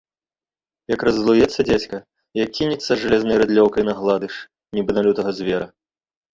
Як раззлуецца дзядзька, як кінецца з жалезнай рыдлёўкай на гладыш, нібы на лютага звера.